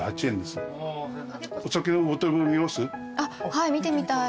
はい見てみたい。